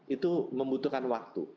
itu membutuhkan waktu